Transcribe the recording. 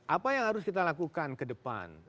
apa yang harus kita lakukan ke depan